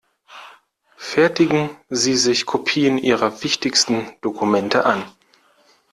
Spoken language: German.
Fertigen Sie sich Kopien Ihrer wichtigsten Dokumente an.